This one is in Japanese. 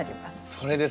それです！